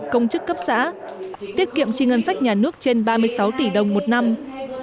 công chức cấp xã tiết kiệm chi ngân sách nhà nước trên ba mươi sáu tỷ đồng một năm